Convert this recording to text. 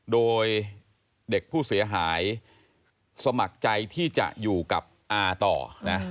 โดยเด็กผู้เสียหายสมัครใจที่จะอยู่กับอาต่อนะ